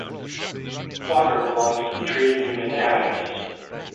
Walker belongs to the trade union Amicus.